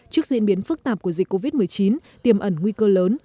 trước diễn biến phức tạp của dịch covid một mươi chín tiềm ẩn nguy cơ lớn